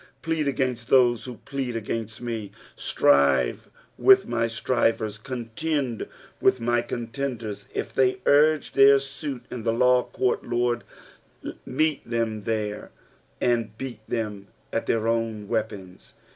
Plead against than who pleaid againat mo ; strive with m; strivera ; contend with m; con tniden. If thejr urge their suit in the law court, Lord, meet them there, and beat them at their own weapons.